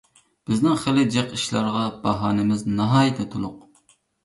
بىزنىڭ خېلى جىق ئىشلارغا باھانىمىز ناھايىتى تولۇق.